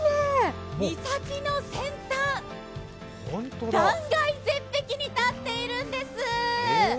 岬の先端、断崖絶壁に立っているんです。